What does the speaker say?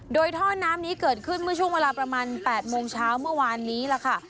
โดยท่อน้ำนี้เกิดขึ้นเมื่อช่วงเวลาประมาณ๘โมงเช้าเมื่อวานนี้ล่ะค่ะ